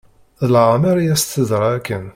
Deg leɛmer i as-teḍra akken.